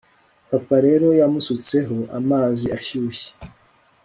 papa rero yamusutseho amazi ashyushye